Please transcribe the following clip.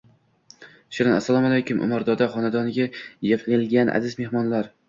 Shirin: Assalomu aleykum Umar doda xonadoniga yigilgan aziz mexmonlar